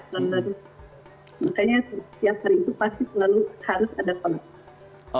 makanya setiap hari itu pasti selalu harus ada koneksi